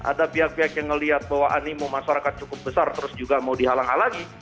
ada pihak pihak yang melihat bahwa animo masyarakat cukup besar terus juga mau dihalang halangi